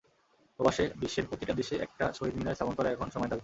প্রবাসে বিশ্বের প্রতিটা দেশে একটা শহীদ মিনার স্থাপন করা এখন সময়ের দাবি।